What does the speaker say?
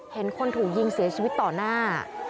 เห็นคนถูกยิงเสียชีวิตต่อหน้า